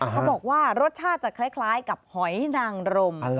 เขาบอกว่ารสชาติจะคล้ายกับหอยนางรม